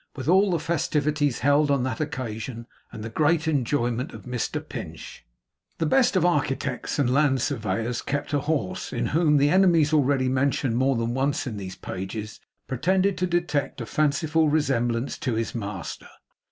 WITH ALL THE FESTIVITIES HELD ON THAT OCCASION, AND THE GREAT ENJOYMENT OF MR PINCH The best of architects and land surveyors kept a horse, in whom the enemies already mentioned more than once in these pages pretended to detect a fanciful resemblance to his master.